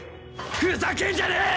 ふざけんじゃねえ！